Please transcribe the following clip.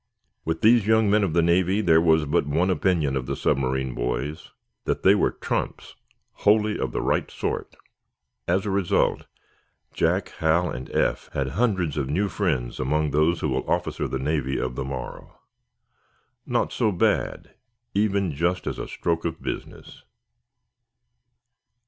With these young men of the Navy there was but one opinion of the submarine boys—that they were trumps, wholly of the right sort. As a result, Jack, Hal and Eph had hundreds of new friends among those who will officer the Navy of the morrow. Not so bad, even just as a stroke of business!